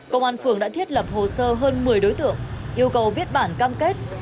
công an phường đã thiết lập hồ sơ hơn một mươi đối tượng yêu cầu viết bản cam kết